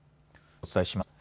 お伝えします。